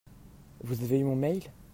Vous avez eu mon mail ?